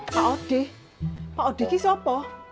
pak odeh pak odeh itu apa